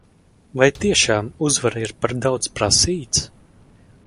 Vai tiešām uzvara ir par daudz prasīts?